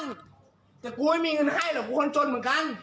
แต่กูไม่มีเงินให้หรอกกูคนจนเหมือนกัน